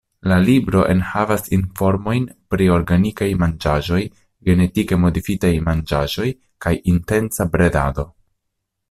La libro enhavas informojn pri organikaj manĝaĵoj, genetike modifitaj manĝaĵoj kaj intensa bredado.